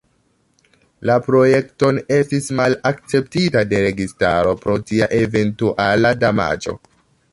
La projekton estis malakceptita de registaro pro tia eventuala damaĝo.